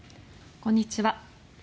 こんにちは。